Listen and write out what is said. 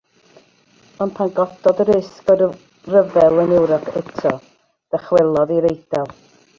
Ond pan gododd y risg o ryfel yn Ewrop eto, dychwelodd i'r Eidal.